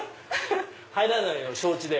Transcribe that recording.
入らないのを承知で。